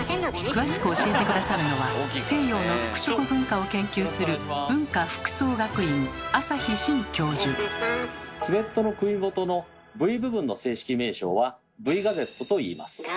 詳しく教えて下さるのは西洋の服飾文化を研究するスウェットの首元のＶ部分の正式名称は「Ｖガゼット」といいます。